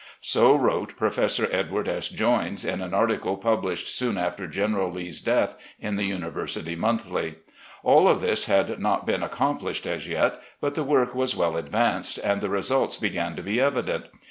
So wrote Professor Edward S. Jojnties in an article pub lished soon after General Lee's death, in the University Monthly. All of this had not been accomplished as yet, but the work was well advanced, and the results began to be evident.